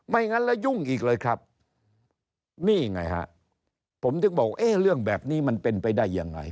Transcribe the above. งั้นแล้วยุ่งอีกเลยครับนี่ไงฮะผมถึงบอกเอ๊ะเรื่องแบบนี้มันเป็นไปได้ยังไง